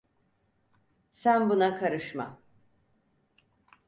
Sen buna karışma.